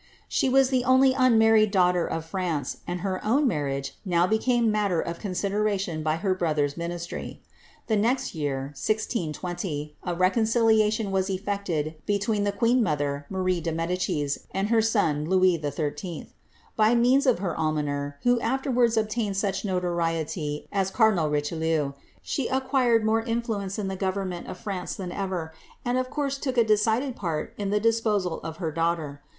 She was the only unmarried daughter of France ; and her own marriage now became matter of con sideration by her brother's ministry. The next year, 1620, a reconcilia tion was effected between the queen mother, Marie de Medicis, and her son, Louis XHI. By means of her almoner, who aflerwards obtained such notoriety as cardinal Richelieu, she acquired more influence in the government of France than ever, and of course took a decided part in the disposal of her daughter.